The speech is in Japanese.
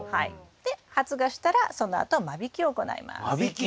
で発芽したらそのあと間引きを行います。